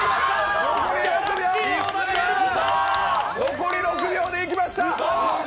残り６秒でいきました。